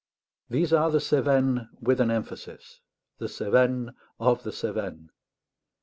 These are the Cevennes with an emphasis: the Cevennes of the Cevennes.